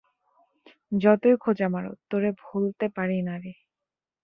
যতই খোচা মারো, তোরে ভোলতে পারি নারে।